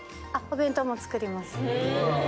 お弁当も作ります。